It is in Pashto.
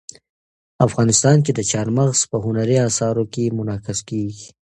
افغانستان کې چار مغز په هنري اثارو کې منعکس کېږي.